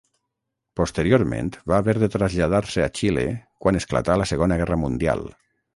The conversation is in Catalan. Posteriorment, va haver de traslladar-se a Xile quan esclatà la Segona Guerra Mundial.